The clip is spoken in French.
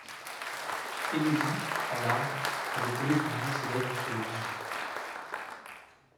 Élodie, en larmes, avait collé de nouveau ses lèvres sur le bijou.